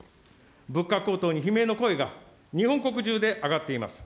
物価高騰に悲鳴の声が日本国中で上がっています。